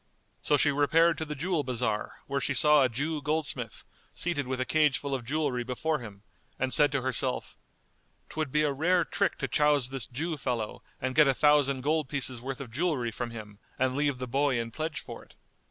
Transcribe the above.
So she repaired to the jewel bazar, where she saw a Jew goldsmith seated with a cage full of jewellery before him, and said to herself, "'Twould be a rare trick to chouse this Jew fellow and get a thousand gold pieces worth of jewellery from him and leave the boy in pledge for it."